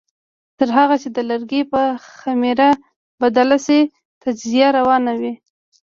تر هغه چې د لرګي په خمېره بدل شي تجزیه روانه وي.